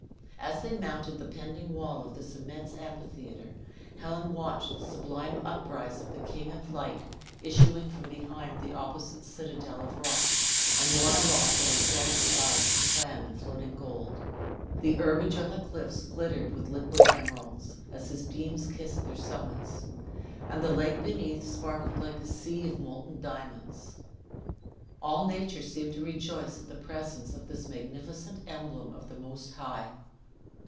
As they mounted the pending wall of this immense amphitheater, Helen watched the sublime uprise of the king of light issuing from behind the opposite citadel of rocks, and borne aloft on a throne of clouds that swam in floating gold. The herbage on the cliffs glittered with liquid emeralds, as his beams kissed their summits; and the lake beneath sparkled like a sea of molten diamonds. All nature seemed to rejoice at the presence of this magnificent emblem of the Most High.